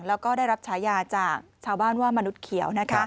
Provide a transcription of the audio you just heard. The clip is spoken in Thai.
แล้วก็ได้รับฉายาจากชาวบ้านว่ามนุษย์เขียว